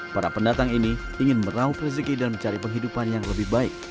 para pendatang ini ingin merauh rezeki dan mencari penghidupan yang lebih baik